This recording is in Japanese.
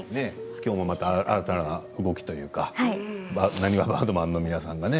今日もまた新たな動きというかなにわバードマンの皆さんがね。